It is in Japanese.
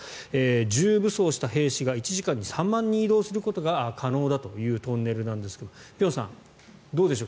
重武装した兵士が１時間に３万人移動することが可能だというトンネルですが辺さん、どうでしょう